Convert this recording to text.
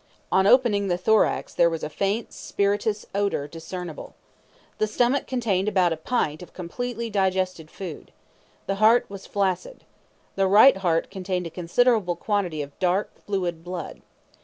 On opening the thorax there was a faint spirituous odour discernible. The stomach contained about a pint of completely digested food. The heart was flaccid. The right heart contained a considerable quantity of dark, fluid blood.